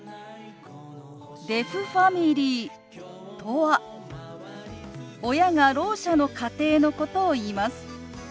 デフファミリーとは親がろう者の家庭のことをいいます。